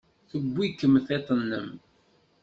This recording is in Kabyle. Tewwi-kem tiṭ-nnem.